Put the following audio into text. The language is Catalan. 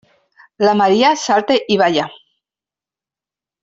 La Maria salta i balla.